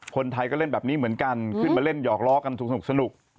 คนไทยก็เล่นแบบนี้เหมือนกันขึ้นมาเล่นหยอกล้อกันสนุก